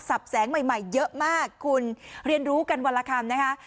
แสงใหม่เยอะมากคุณเรียนรู้กันวันละคำนะคะ